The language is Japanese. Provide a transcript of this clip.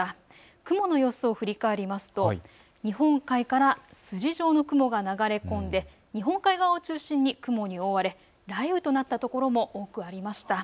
雲の様子を振り返りますと日本海から筋状の雲が流れ込んで日本海側を中心に雲に覆われ雷雨となったところも多くありました。